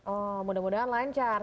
oh mudah mudahan lancar